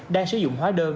đang sử dụng hóa đơn